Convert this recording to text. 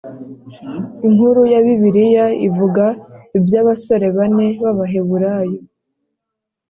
Inkuru ya Bibiliya ivuga iby abasore bane b Abaheburayo